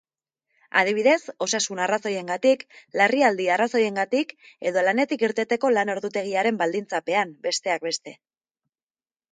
Adibidez, osasun-arrazoiengatik, larrialdi-arrazoiengatik edo lanetik irteteko lan-ordutegiaren baldintzapean, besteak beste.